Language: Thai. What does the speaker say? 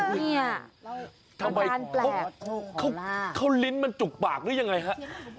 เนี่ยแล้วทำไมเขาลิ้นมันจุกปากหรือยังไงฮะ